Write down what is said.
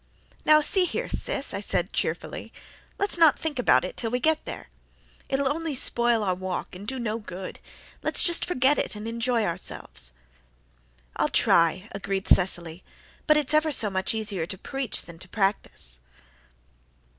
"Now, see here, Sis," I said cheerfully, "let's not think about it till we get there. It'll only spoil our walk and do no good. Let's just forget it and enjoy ourselves." "I'll try," agreed Cecily, "but it's ever so much easier to preach than to practise."